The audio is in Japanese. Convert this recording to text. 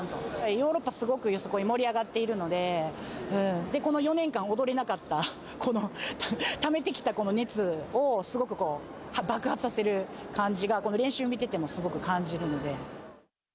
ヨーロッパ、すごくよさこい、盛り上がっているので、で、この４年間、踊れなかったこのためてきたこの熱を、すごく爆発させる感じが、この練習を見ててもすごく感じるので。